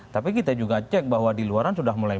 tapi kita juga cek bahwa di luaran sudah mulai